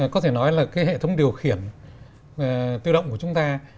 có thể nói là cái hệ thống điều khiển tự động của chúng ta